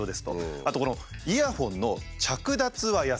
あとこの「イヤホンの着脱はやさしく」。